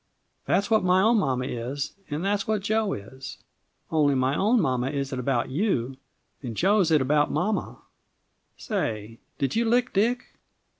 "That's what my own mamma is, and that's what Jo is. Only my own mamma is it about you, and Jo's it about mamma. Say, did you lick Dick?